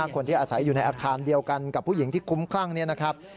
คนที่อาศัยอยู่ในอาคารเดียวกันกับผู้หญิงที่คุ้มคลั่งนี้นะครับ